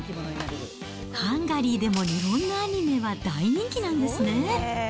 ハンガリーでも日本のアニメは大人気なんですね。